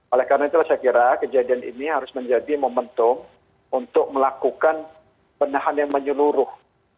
oleh karena itulah saya kira kejadian ini harus menjadi momentum untuk melakukan penahan yang menyeluruh